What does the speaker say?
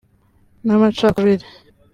n’amacakubiri